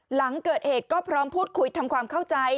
หลังเกิดเหตุก็พร้อมพูดคุยทำความเข้าใจ